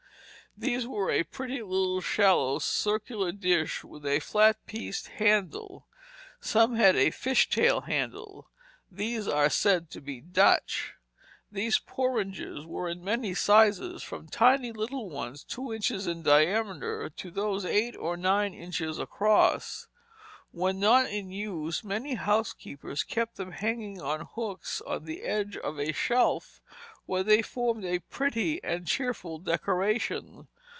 These were a pretty little shallow circular dish with a flat pierced handle. Some had a "fish tail" handle; these are said to be Dutch. These porringers were in many sizes, from tiny little ones two inches in diameter to those eight or nine inches across. When not in use many housekeepers kept them hanging on hooks on the edge of a shelf, where they formed a pretty and cheerful decoration.